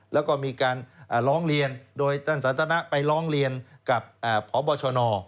แล้วก็มีการร้องเรียนโดยท่านสันทนะไปร้องเรียนกับพบชน